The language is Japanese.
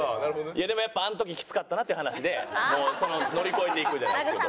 でもやっぱあの時きつかったなっていう話で乗り越えていくじゃないですけど。